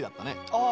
ああ